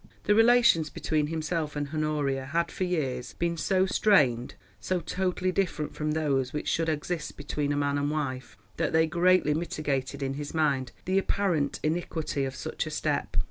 The relations between himself and Honoria had for years been so strained, so totally different from those which should exist between man and wife, that they greatly mitigated in his mind the apparent iniquity of such a step.